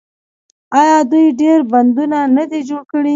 آیا دوی ډیر بندونه نه دي جوړ کړي؟